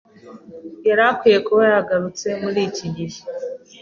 Yari akwiye kuba yagarutse muri iki gihe.